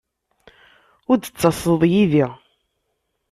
Ur d-ttaseḍ yid-i?